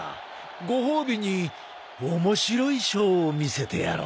ご褒美に面白いショーを見せてやろう。